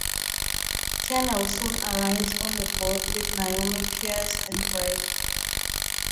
Kendall soon arrives on the boat with Naomi Pierce and Greg.